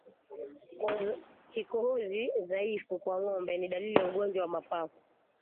Kikohozi dhaifu kwa ngombe ni dalili ya ugonjwa wa mapafu